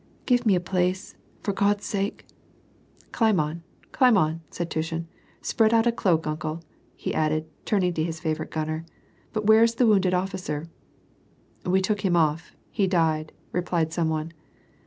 "Give me a place, for Grod's sake !"" Climb on, climb on !" said Tushin. " Spread out a cloak, uncle," he added, turning to his favourite gunner. " But where is the wounded officer ?"" We took him off ; he died," replied some one.